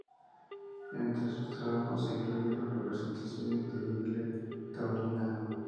Entre sus trabajos se incluyeron representaciones de índole taurina.